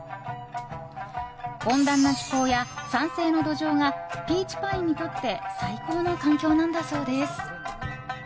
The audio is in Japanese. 温暖な気候や酸性の土壌がピーチパインにとって最高の環境なんだそうです。